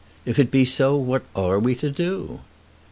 "If it be so, what are we to do?"